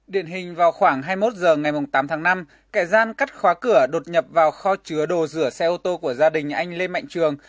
điện hình vào khoảng hai mươi một h ngày tám tháng năm kẻ gian cắt khóa cửa đột nhập vào kho chứa đồ rửa xe ô tô của gia đình anh lê mạnh trường